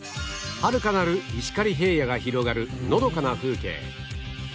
はるかなる石狩平野が広がるのどかな風景